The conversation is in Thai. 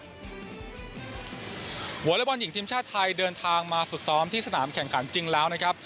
วอเล็กบอลหญิงทีมชาติไทยเดินทางมาฝึกซ้อมที่สนามแข่งขันจริงแล้วนะครับ